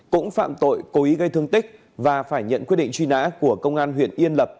cũng phạm tội cố ý gây thương tích và phải nhận quyết định truy nã của công an huyện yên lập